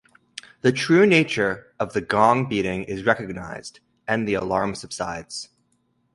The true nature of the gong-beating is recognized, and the alarm subsides.